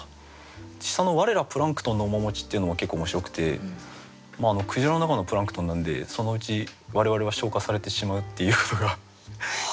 下の「我らプランクトンの面持ち」っていうのも結構面白くて鯨の中のプランクトンなんでそのうち我々は消化されてしまうっていうのが。